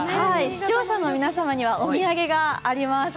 視聴者の皆様にはお土産があります。